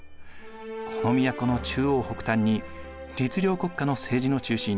この都の中央北端に律令国家の政治の中心